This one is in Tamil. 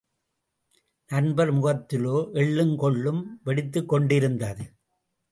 நண்பர் முகத்திலோ எள்ளும், கொள்ளும் வெடித்துக் கொண்டிருந்தது.